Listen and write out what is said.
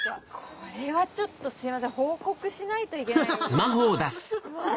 これはちょっとすいません報告しないといけない。